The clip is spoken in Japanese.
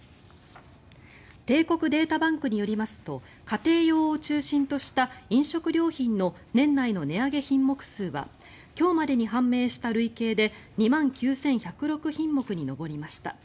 帝国データバンクによりますと家庭用を中心とした飲食料品の年内の値上げ品目数は今日までに判明した累計で２万９１０６品目に上りました。